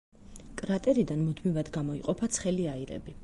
კრატერიდან მუდმივად გამოიყოფა ცხელი აირები.